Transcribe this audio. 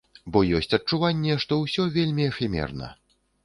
Бо ёсць адчуванне, што ўсё вельмі эфемерна.